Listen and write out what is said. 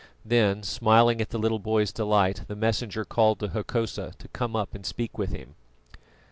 Then, smiling at the little boy's delight, the Messenger called to Hokosa to come up and speak with him.